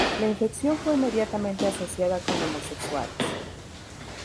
La infección fue inmediatamente asociada con homosexuales.